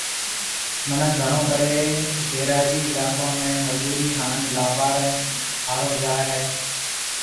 مِنک گھڻو ڪرَي بئيراجي علائقون ۾ مزوري ھان لاڀارَي ھارُو جائيَ ھيََََ